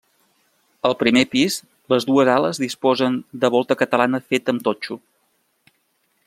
Al primer pis, les dues ales disposen de volta catalana feta amb totxo.